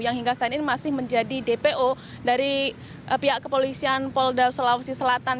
yang hingga saat ini masih menjadi dpo dari pihak kepolisian polda sulawesi selatan